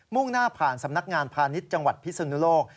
่งหน้าผ่านสำนักงานพาณิชย์จังหวัดพิศนุโลก